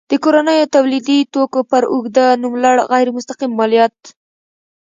د کورنیو تولیدي توکو پر اوږده نوملړ غیر مستقیم مالیات.